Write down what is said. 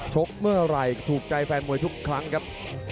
เมื่อไหร่ถูกใจแฟนมวยทุกครั้งครับ